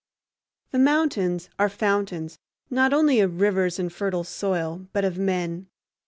The mountains are fountains not only of rivers and fertile soil, but of men.